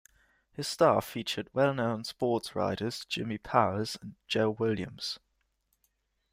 His staff featured well-known sportswriters Jimmy Powers and Joe Williams.